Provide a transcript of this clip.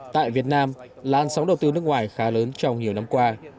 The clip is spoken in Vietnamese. tại việt nam là lan sóng đầu tư nước ngoài khá lớn trong nhiều năm qua